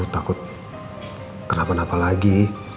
takut kenapa napa lagi